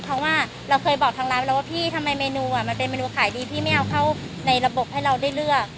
เพราะว่าเราเคยบอกทางร้านไปแล้วว่าพี่ทำไมเมนูมันเป็นเมนูขายดีพี่ไม่เอาเข้าในระบบให้เราได้เลือก